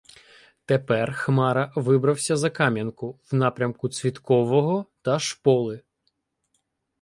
Тепер Хмара вибрався за Кам'янку, в напрямку Цвіткового та Шполи.